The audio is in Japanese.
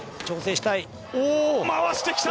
回してきた！